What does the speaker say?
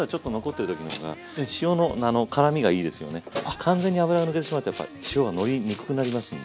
完全に油が抜けてしまうとやっぱ塩がのりにくくなりますんで。